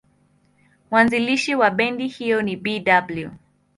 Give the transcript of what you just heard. Mwanzilishi wa bendi hiyo ni Bw.